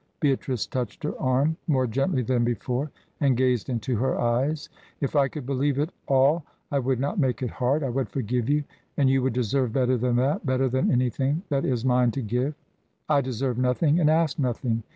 Beatrice touched her arm, more gently than before, and gazed into her eyes. "If I could believe it all I would not make it hard. I would forgive you and you would deserve better than that, better than anything that is mine to give." "I deserve nothing and ask nothing.